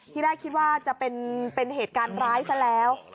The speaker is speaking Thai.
ที่แรกคิดว่าจะเป็นเหตุการณ์ร้ายซะแล้ว